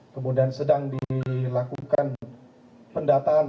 kemudian sedang dilakukan pendataan